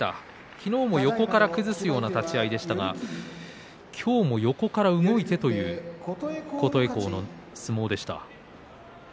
昨日も横から崩すような立ち合いでしたが今日も横から動いてという琴恵光の相撲でした。